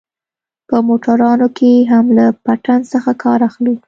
په موټرانو کښې هم له پټن څخه کار اخلو.